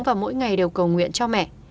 và mỗi ngày đều cầu nguyện cho mẹ